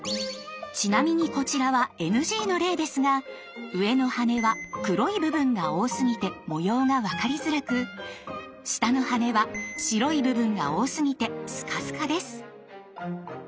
ちなみにこちらはＮＧの例ですが上の羽は黒い部分が多すぎて模様がわかりづらく下の羽は白い部分が多すぎてスカスカです。